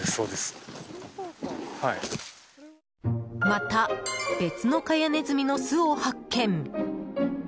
また別のカヤネズミの巣を発見。